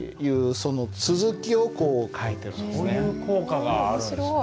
そういう効果があるんですね。